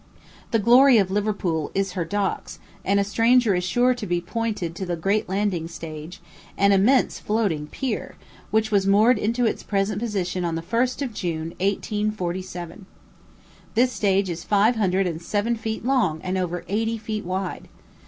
The glory of Liverpool is her docks, and a stranger is sure to be pointed to the great landing stage, an immense floating pier, which was moored into its present position on the 1st of June, 1847. This stage is five hundred and seven feet long, and over eighty feet wide.